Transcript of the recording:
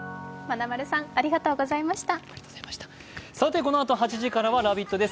このあと８時からは「ラヴィット！」です。